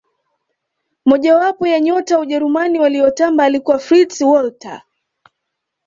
moja wapo ya nyota wa ujerumani waliyotamba alikuwa fritz walter